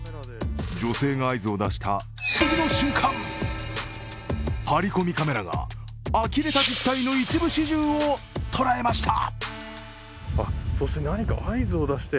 女性が合図を出した次の瞬間、ハリコミカメラがあきれた実態の一部始終を捉えました。